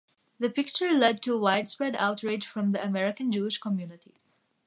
The picture led to widespread outrage from the American Jewish community.